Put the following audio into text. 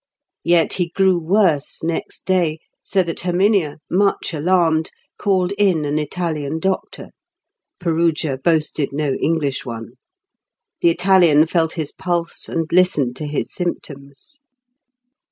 Yet he grew worse next day, so that Herminia, much alarmed, called in an Italian doctor. Perugia boasted no English one. The Italian felt his pulse, and listened to his symptoms.